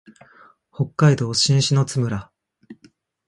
北海道新篠津村